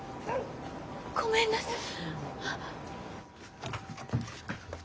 ごめんなさい。